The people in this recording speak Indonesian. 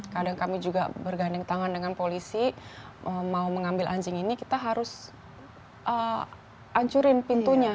kadang kami juga berganding tangan dengan polisi mau mengambil anjing ini kita harus ancurin pintunya